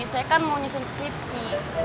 saya kan mau nyusun skripsi